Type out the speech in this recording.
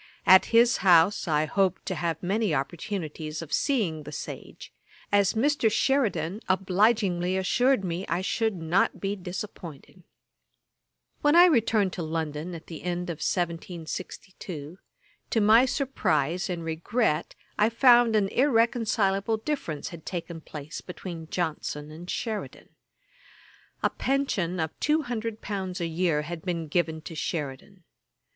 At his house I hoped to have many opportunities of seeing the sage, as Mr. Sheridan obligingly assured me I should not be disappointed. [Page 386: Sheridan's pension. A.D. 1763.] When I returned to London in the end of 1762, to my surprise and regret I found an irreconcileable difference had taken place between Johnson and Sheridan. A pension of two hundred pounds a year had been given to Sheridan.